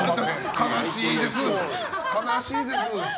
悲しいです。